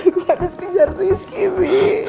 gua harus pijar rizky bu